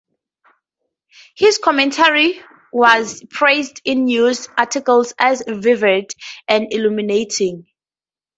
His commentary was praised in news articles as "vivid" and "illuminating".